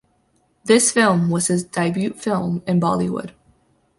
This film was his debut film in Bollywood.